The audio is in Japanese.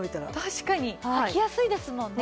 確かに。はきやすいですもんね。